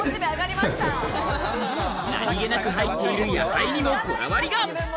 何気なく入っている野菜にもこだわりが。